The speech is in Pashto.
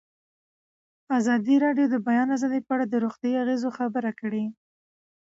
ازادي راډیو د د بیان آزادي په اړه د روغتیایي اغېزو خبره کړې.